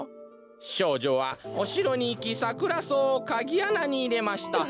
しょうじょはおしろにいきサクラソウをかぎあなにいれました。